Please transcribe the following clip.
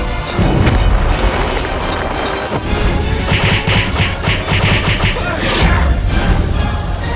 kau dengan jurus patriot matiga ke sepuluh